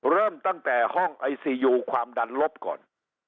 เริ่มตั้งแต่ห้องไอซียูความดันลบก่อน